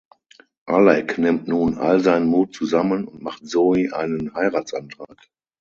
Alec nimmt nun all seinen Mut zusammen und macht Zoey einen Heiratsantrag.